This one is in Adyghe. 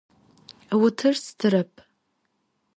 Vutır stırep.